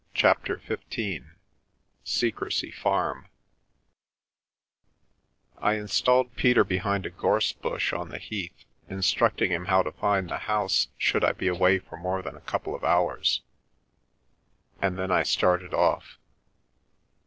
CHAPTER XV SECRECY FARM I INSTALLED Peter behind a gorse bush on the Heath, instructing him how to find the house should I be away for more than a couple of hours, and then I started off.